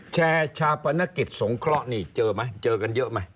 แชร์ชาปนกิจสงเคราะห์นี่เจอไหมเจอกันเยอะไหม